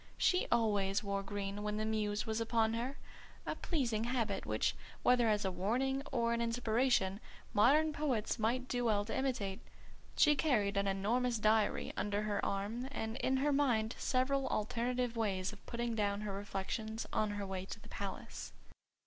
She always wore green when the Muse was upon her: a pleasing habit which, whether as a warning or an inspiration, modern poets might do well to imitate. She carried an enormous diary under her arm; and in her mind several alternative ways of putting down her reflections on her way to the Palace.